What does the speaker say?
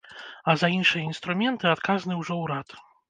А за іншыя інструменты адказны ўжо ўрад.